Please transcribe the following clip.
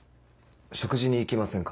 食事に行きませんか？